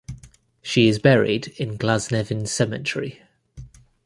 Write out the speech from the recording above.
She is buried in Glasnevin Cemetery.